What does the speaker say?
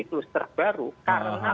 poster baru karena